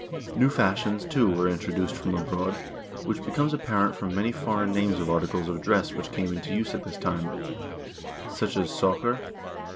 New fashions, too, were introduced from abroad, which becomes apparent from many foreign names of articles of dress which came into use at this time; such as, sokkr (A.